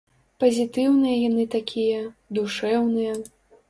Пазітыўныя яны такія, душэўныя.